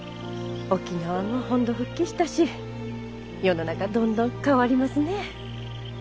沖縄も本土復帰したし世の中どんどん変わりますね。